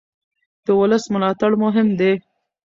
د ولس ملاتړ مهم دی